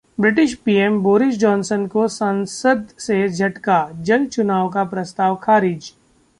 British PM Boris Johnson को संसद से झटका, जल्द चुनाव का प्रस्ताव खारिज